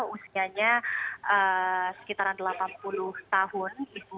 usianya sekitaran delapan puluh tahun